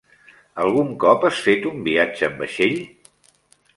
Algun cop has fet un viatge en vaixell?